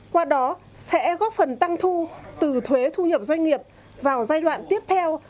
qua đó sẽ góp phần tăng thu từ thuế thu nhập doanh nghiệp vào giai đoạn tiếp theo